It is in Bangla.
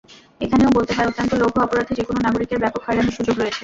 এখানেও বলতে হয়, অত্যন্ত লঘু অপরাধে যেকোনো নাগরিকের ব্যাপক হয়রানির সুযোগ রয়েছে।